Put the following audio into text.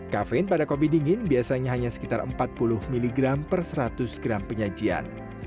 kafein pada kopi dingin biasanya hanya sekitar empat puluh mg per seratus gram penyajian